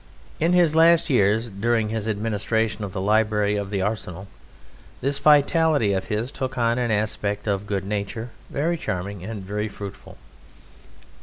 In his last years during his administration of the Library at the Arsenal this vitality of his took on an aspect of good nature very charming and very fruitful.